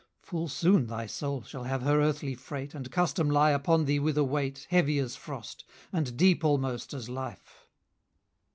130 Full soon thy soul shall have her earthly freight, And custom lie upon thee with a weight, Heavy as frost, and deep almost as life!